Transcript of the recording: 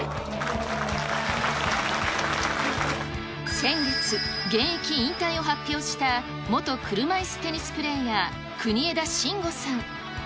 先月、現役引退を発表した元車いすテニスプレーヤー、国枝慎吾さん。